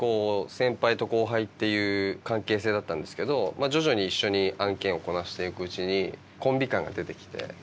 先輩と後輩っていう関係性だったんですけど徐々に一緒に案件をこなしていくうちにコンビ感が出てきて。